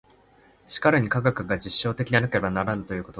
しかるに科学が実証的でなければならぬということは、